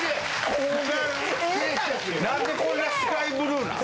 睾丸何でこんなスカイブルーなん？